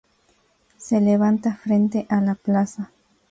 Se levanta frente a la plaza.